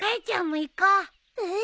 ちゃんも行こう。